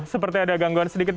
seperti ada gangguan sedikit